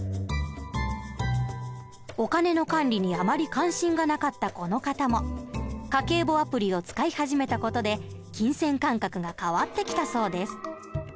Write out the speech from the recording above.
お金の管理にあまり関心がなかったこの方も家計簿アプリを使い始めた事で金銭感覚が変わってきたそうです。